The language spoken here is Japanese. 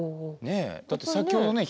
だって先ほどね